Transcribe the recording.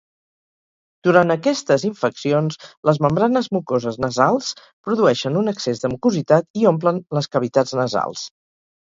Durant aquestes infeccions, les membranes mucoses nasals produeixen un excés de mucositat i omplen les cavitats nasals.